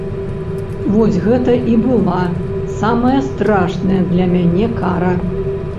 Вось гэта і была самая страшная для мяне кара!